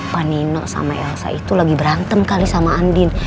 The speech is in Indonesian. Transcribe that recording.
panino sama elsa itu lagi berantem kali sama andin